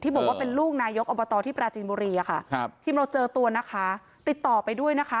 บอกว่าเป็นลูกนายกอบตที่ปราจีนบุรีอะค่ะครับทีมเราเจอตัวนะคะติดต่อไปด้วยนะคะ